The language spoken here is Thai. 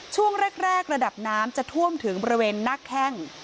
ช่วงแรกระดับน้ำจะท่วมถึงบริเวณหน้าแข้ง